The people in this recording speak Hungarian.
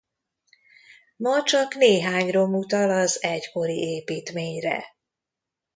Ma csak néhány rom utal az egykori építményre.